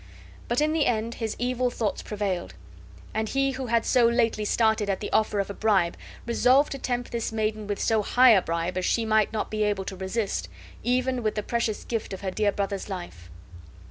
But in the end his evil thoughts prevailed; and he who had so lately started at the offer of a bribe resolved to tempt this maiden with so high a bribe as she might not be able to resist, even with the precious gift of her dear brother's life.